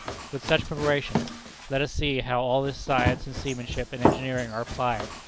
With such preparations, let us see how all this science and seamanship and engineering are applied.